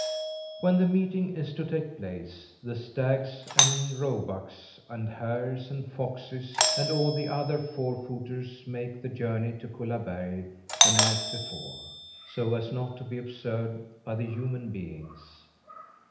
When the meeting is to take place, the stags and roebucks and hares and foxes and all the other four footers make the journey to Kullaberg the night before, so as not to be observed by the human beings.